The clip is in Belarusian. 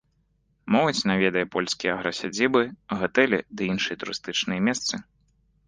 Моладзь наведае польскія аграсядзібы, гатэлі ды іншыя турыстычныя месцы.